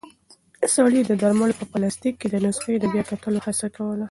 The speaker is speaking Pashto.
سړی د درملو په پلاستیک کې د نسخې د بیا کتلو هڅه کوله.